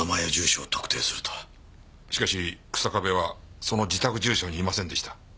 しかし日下部はその自宅住所にいませんでした。